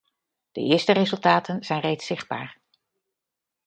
De eerste resultaten zijn reeds zichtbaar.